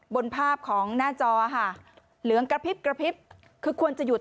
บนภาพของหน้าจอค่ะเหลืองกระพริบกระพริบคือควรจะหยุด